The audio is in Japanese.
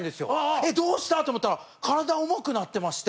「えっどうした！？」って思ったら体重くなってまして。